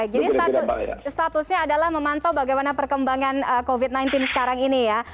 jadi statusnya adalah memantau bagaimana perkembangan covid sembilan belas sekarang ini ya